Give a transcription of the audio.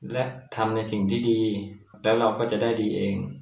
และทำในสิ่งที่ดีแล้วเราก็จะได้ดีเอง